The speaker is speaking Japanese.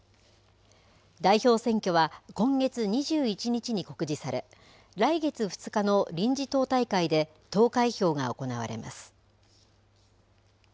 代表選挙は今月２１日に告示され来月２日の臨時党大会で投開票が行われます。